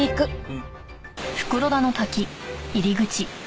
うん。